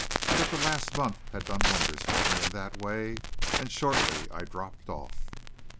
But the last month had done wonders for me in that way; and shortly I dropped off.